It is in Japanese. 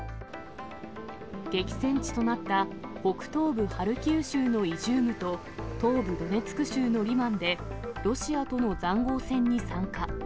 激戦地となった北東部ハルキウ州のイジュームと、東部ドネツク州のリマンでロシアとのざんごう戦に参加。